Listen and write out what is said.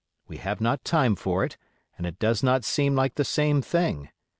We have not time for it, and it does not seem like the same thing.